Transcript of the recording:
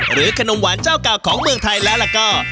ขนมหวานเจ้าเก่าของเมืองไทยแล้วก็